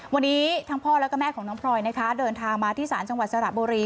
วันนี้ทั้งพ่อแล้วก็แม่ของน้องพลอยนะคะเดินทางมาที่ศาลจังหวัดสระบุรี